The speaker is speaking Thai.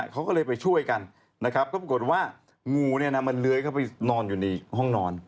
เขาก็เลยไปช่วยกันก็ปรากฏว่างูเลื้อยเข้าไปนอนอยู่ในห้องนอน